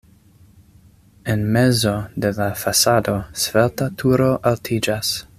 En mezo de la fasado svelta turo altiĝas.